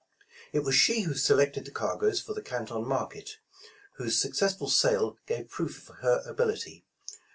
It was she who selected the cargoes for the Can ton market, whose successful sale gave proof of her ability.